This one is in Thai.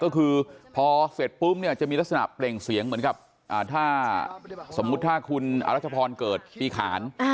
ก็คือพอเสร็จปุ๊บเนี่ยจะมีลักษณะเปล่งเสียงเหมือนกับถ้าสมมุติถ้าคุณอรัชพรเกิดปีขาน